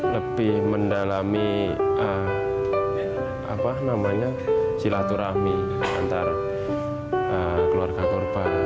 lebih mendalami silaturahmi antar keluarga korban